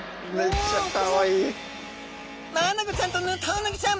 マアナゴちゃんとヌタウナギちゃん